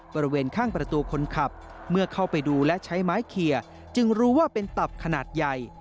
บริเวณข้างประตูคนขับเมื่อเข้าไปดูและใช้ไม้เคลียร์จึงรู้ว่าเป็นตับขนาดใหญ่